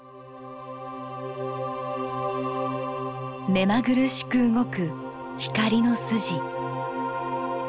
目まぐるしく動く光の筋。